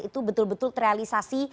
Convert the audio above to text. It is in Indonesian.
itu betul betul terrealisasi